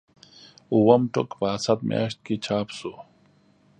اووم ټوک په اسد میاشت کې چاپ شو.